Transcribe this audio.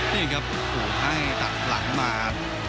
นี่ครับโอ้โหให้ตัดหลังมา